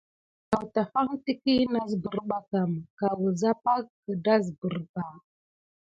Awfaɗan təkiy nasbər ɓa kam kawusa pak gedasbirba.